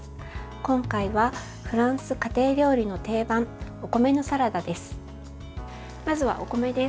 今回はフランス家庭料理の定番お米のサラダです。